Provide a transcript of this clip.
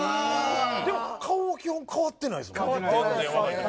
でも顔は基本、変わってないですね。